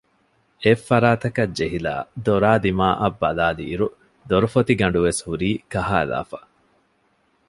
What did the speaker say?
އެއްފަރާތަކަށް ޖެހިލައި ދޮރާ ދިމާއަށް ބަލާލިއިރު ދޮރުފޮތި ގަނޑުވެސް ހުރީ ކަހައިލައިފަ